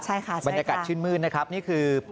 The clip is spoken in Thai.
ใช่ค่ะบรรยากาศชื่นมืดนะครับนี่คือ